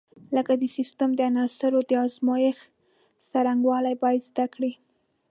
لکه د سیسټم د عناصرو د ازمېښت څرنګوالي باید زده کړي.